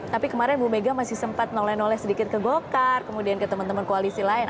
tapi kemarin bu mega masih sempat noleh noleh sedikit ke golkar kemudian ke teman teman koalisi lain